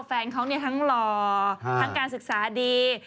แฟนเขาทั้งหล่อทั้งการศึกษาดี